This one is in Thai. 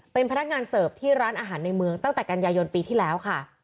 เป็นพนักงานเสิร์ฟที่ร้านอาหารในเมืองตั้งแต่กันยายนปีที่แล้วค่ะ